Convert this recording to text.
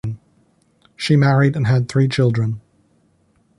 She married and had three children.